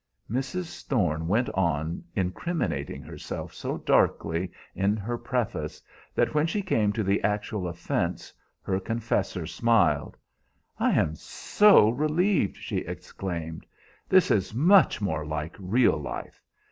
Mrs. Thorne went on incriminating herself so darkly in her preface that when she came to the actual offense her confessor smiled. "I am so relieved!" she exclaimed. "This is much more like real life.